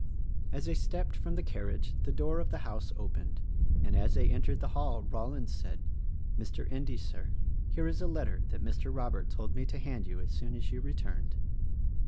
As they stepped from the carriage the door of the house opened; and as they entered the hall Rollins said, "Mr. Endy, Sir, here is a letter that Mr. Robert told me to hand you as soon as you returned."